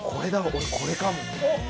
俺これかも！